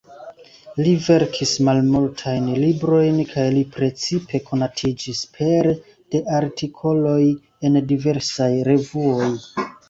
Li verkis malmultajn librojn, kaj li precipe konatiĝis pere de artikoloj en diversaj revuoj.